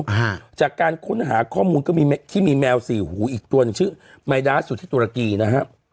อ่าจากการคุ้นหาข้อมูลก็มีที่มีแมวสี่หูอีกตัวชื่อที่ตุรกีนะฮะ